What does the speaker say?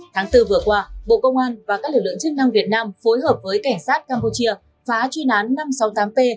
tháng bốn vừa qua bộ công an và các lực lượng chức năng việt nam phối hợp với cảnh sát campuchia phá truy nán năm trăm sáu mươi tám p